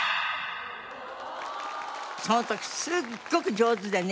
その時すっごく上手でね